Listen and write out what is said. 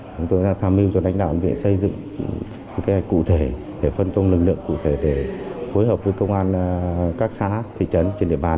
chúng tôi tham mưu cho đánh đạo viện xây dựng cụ thể phân công lực lượng cụ thể để phối hợp với công an các xã thị trấn trên địa bàn